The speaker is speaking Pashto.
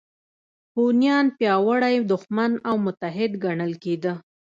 هونیان پیاوړی دښمن او متحد ګڼل کېده